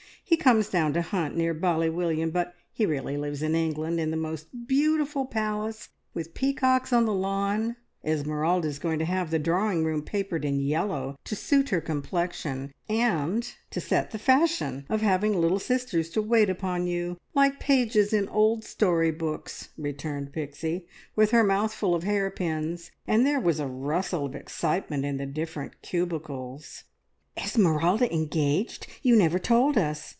He comes down to hunt near Bally William, but he really lives in England, in the most beautiful palace, with peacocks on the lawn. Esmeralda's going to have the drawing room papered in yellow, to suit her complexion, and to set the fashion of having little sisters to wait upon you, like pages in old story books," returned Pixie, with her mouth full of hairpins, and there was a rustle of excitement in the different cubicles. "Esmeralda engaged! You never told us!